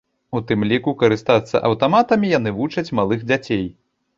У тым ліку, карыстацца аўтаматамі яны вучаць малых дзяцей.